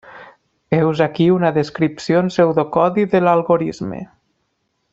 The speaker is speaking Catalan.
Heus aquí una descripció en pseudocodi de l'algorisme.